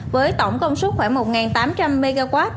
với tổng công suất khoảng một tám trăm linh mw